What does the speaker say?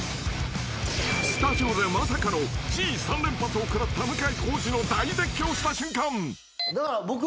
［スタジオでまさかのＧ３連発を食らった向井康二の大絶叫した瞬間］